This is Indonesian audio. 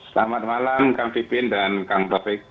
selamat malam kang pipin dan kang taufik